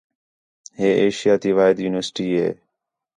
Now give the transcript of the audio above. ہے ایشیاء تی واحد یونیورسٹی ہِے